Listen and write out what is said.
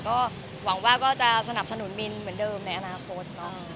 ก็หวังว่าก็จะสนับสนุนมินเหมือนเดิมในอนาคตเนอะ